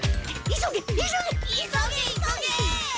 急げ急げ！